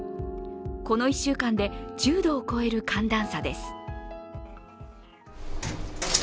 この１週間で１０度を超える寒暖差です。